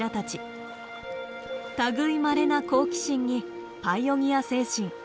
類いまれな好奇心にパイオニア精神。